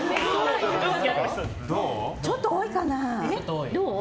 ちょっと多いかな。